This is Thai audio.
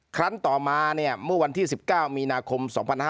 ครั้งต่อมาเมื่อวันที่๑๙มีนาคม๒๕๕๙